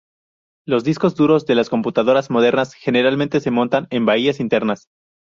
Los discos duros de las computadoras modernas generalmente se montan en bahías internas.